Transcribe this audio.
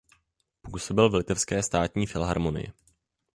Působil v Litevské státní filharmonii.